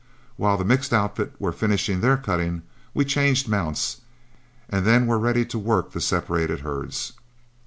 While the mixed outfit were finishing their cutting, we changed mounts, and then were ready to work the separated herds.